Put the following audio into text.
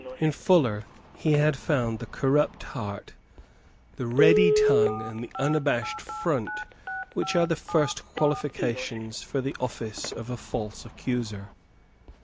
In Fuller he had found the corrupt heart, the ready tongue and the unabashed front which are the first qualifications for the office of a false accuser.